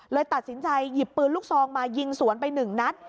เลยตัดสินใจหยิบปืนลูกซองมายิงสวนไปหนึ่งนัด